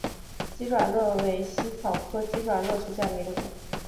鸡爪簕为茜草科鸡爪簕属下的一个种。